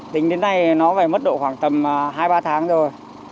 tính đến nay nó phải mất độ khoảng tầm hai ba tháng rồi